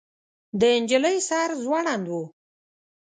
د نجلۍ سر ځوړند و.